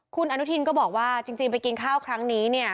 คุณอนุทินก็บอกว่าจริงไปกินข้าวครั้งนี้เนี่ย